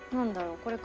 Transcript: これかな？